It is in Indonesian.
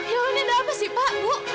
ya ini ada apa sih pak bu